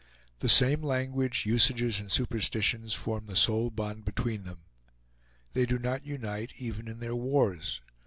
The same language, usages, and superstitions form the sole bond between them. They do not unite even in their wars.